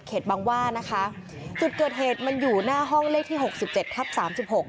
บางว่านะคะจุดเกิดเหตุมันอยู่หน้าห้องเลขที่หกสิบเจ็ดทับสามสิบหก